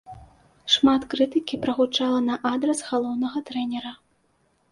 Шмат крытыкі прагучала на адрас галоўнага трэнера.